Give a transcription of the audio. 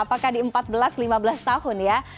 apakah di empat belas lima belas tahun ya